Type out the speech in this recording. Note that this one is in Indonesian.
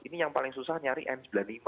ini yang paling susah nyari n sembilan puluh lima